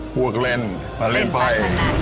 พูดเล่นมาเล่นไฟ